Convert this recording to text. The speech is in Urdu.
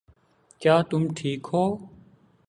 کیا تم ٹھیک ہو